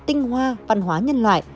tinh hoa văn hóa nhân loại